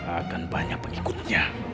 akan banyak pengikutnya